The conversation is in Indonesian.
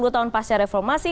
dua puluh tahun pasca reformasi